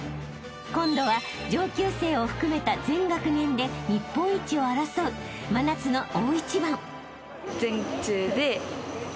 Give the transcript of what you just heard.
［今度は上級生を含めた全学年で日本一を争う真夏の大一番］